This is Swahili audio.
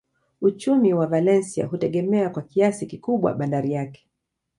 Uchumi wa Valencia hutegemea kwa kiasi kikubwa bandari yake.